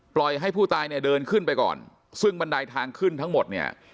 ให้ผู้ตายเนี่ยเดินขึ้นไปก่อนซึ่งบันไดทางขึ้นทั้งหมดเนี่ย